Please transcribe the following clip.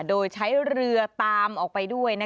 โดยใช้เรือตามออกไปด้วย